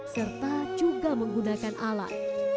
serta juga menggunakan alat